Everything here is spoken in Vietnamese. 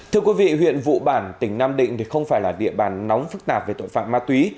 thưa quý vị huyện vụ bản tỉnh nam định không phải là địa bàn nóng phức tạp về tội phạm ma túy